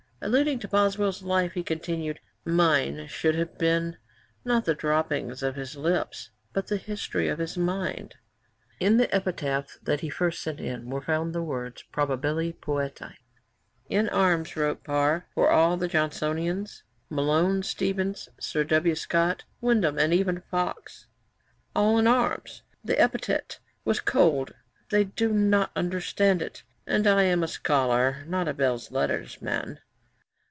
Alluding to Boswell's Life he continued, "Mine should have been, not the droppings of his lips, but the history of his mind."' Field's Life of Parr, i. 164. In the epitaph that he first sent in were found the words 'Probabili Poetae.' 'In arms,' wrote Parr, 'were all the Johnsonians: Malone, Steevens, Sir W. Scott, Windham, and even Fox, all in arms. The epithet was cold. They do not understand it, and I am a Scholar, not a Belles Lettres man.'